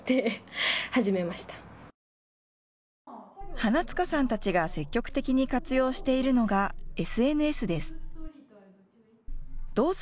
花塚さんたちが積極的に活用しているのがＳＮＳです。